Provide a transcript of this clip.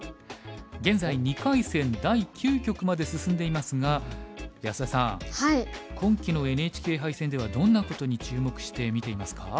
現在２回戦第９局まで進んでいますが安田さん今期のＮＨＫ杯戦ではどんなことに注目して見ていますか？